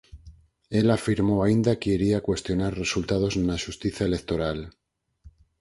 El afirmou aínda que iría cuestionar os resultados na Xustiza Electoral.